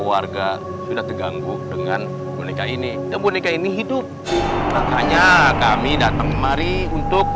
warga sudah terganggu dengan boneka ini boneka ini hidup makanya kami datang kemari untuk